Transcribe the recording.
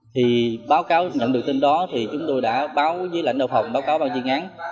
thì báo cáo nhận được tin đó thì chúng tôi đã báo với lãnh đạo phòng báo cáo ban chuyên án